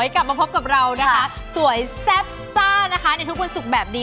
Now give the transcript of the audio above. กลับมาพบกับเราสวยแซ่บจ้าในทุกวันสุขแบบนี้